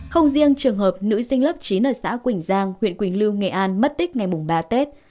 không riêng trường hợp nữ sinh lớp chín ở xã quỳnh giang huyện quỳnh lưu nghệ an mất tích ngày ba tết